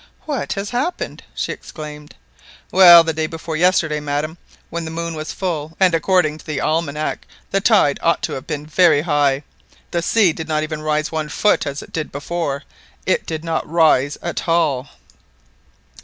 "What has happened?" she exclaimed. "Well, the day before yesterday, madam, when the moon was full, and according to the almanac the tide ought to have been very high, the sea did not even rise one foot, as it did before it did not rise at all."